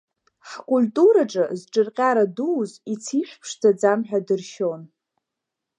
Ҳкультураҿы зҿырҟьара дууз ицишә ԥшӡаӡам ҳәа дыршьон.